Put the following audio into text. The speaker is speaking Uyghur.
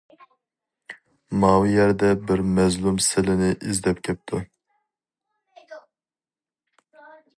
ماۋۇ يەردە بىر مەزلۇم سىلىنى ئىزدەپ كەپتۇ!